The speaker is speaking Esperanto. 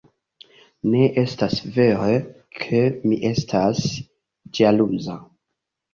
Ne estas vere, ke mi estas ĵaluza.